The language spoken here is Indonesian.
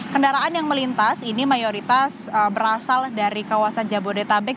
kendaraan yang melintas ini mayoritas berasal dari kawasan jabodetabek